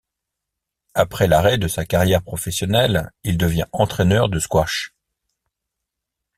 Après l'arrêt de sa carrière professionnelle, il devient entraîneur de squash.